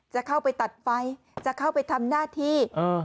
จะเข้าไปตัดไฟจะเข้าไปทำหน้าที่